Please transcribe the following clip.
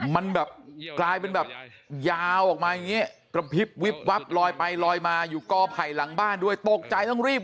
มันกลายเป็นแบบวีบวับลอยไปลอยมาอยู่ก้อไผ่หลังบ้านด้วยตกใจต้องรีบ